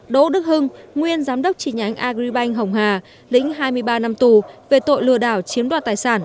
đỗ đức hưng nguyên giám đốc tri nhánh agribank hồng hà lĩnh hai mươi ba năm tù về tội lừa đảo chiếm đoạt tài sản